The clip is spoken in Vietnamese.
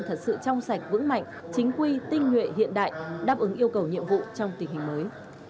thật sự trong sạch vững mạnh chính quy tinh nhuệ hiện đại đáp ứng yêu cầu nhiệm vụ trong tình hình mới